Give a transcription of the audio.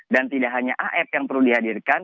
dan tidak hanya af yang perlu dihadirkan